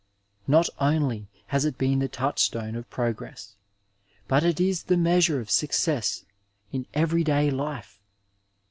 Not only has it been the touchstone of progress, but it is the measure of success in every day life.